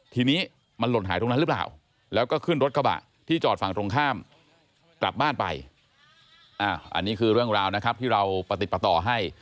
ทีนี้มันหล่นหายตรงนั้นหรือเปล่า